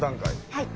はい。